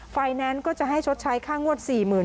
ไฟแนนซ์ก็จะให้ชดใช้ค่างวดสี่หมื่น